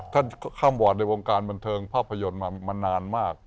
ท่านข้ามบวชในวงการบรรเทิงภาพยนตร์มานานมาก